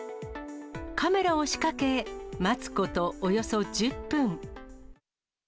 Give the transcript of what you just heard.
カメラを仕掛け、待つことおよそ１０分。